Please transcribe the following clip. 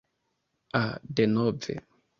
Ah, denove!